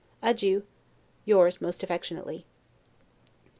Adieu! Yours most affectionately.